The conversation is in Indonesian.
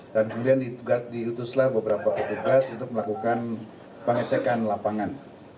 dan kemudian diutuslah beberapa pekerja untuk melakukan pengecekan lapangan